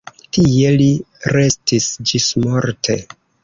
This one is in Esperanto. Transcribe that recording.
Tie li restis ĝismorte.